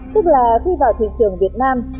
tức là khi vào thị trường việt nam